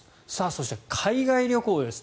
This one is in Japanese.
そして、海外旅行です。